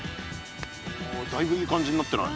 だいぶいい感じになってない？